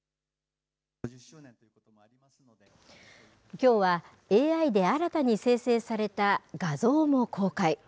きょうは、ＡＩで新たに生成された画像も公開。